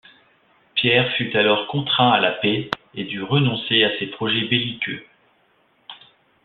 Pierre fut alors contraint à la paix et dû renoncer à ses projets belliqueux.